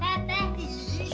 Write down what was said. bukit banget sih